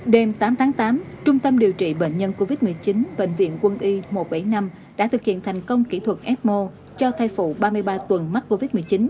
đêm tám tháng tám trung tâm điều trị bệnh nhân covid một mươi chín bệnh viện quân y một trăm bảy mươi năm đã thực hiện thành công kỹ thuật ecmo cho thai phụ ba mươi ba tuần mắc covid một mươi chín